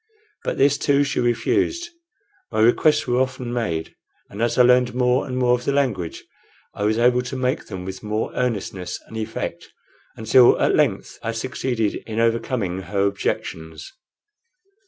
But this too she refused. My requests were often made, and as I learned more and more of the language I was able to make them with more earnestness and effect, until at length I succeeded in overcoming her objections.